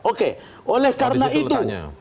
oke oleh karena itu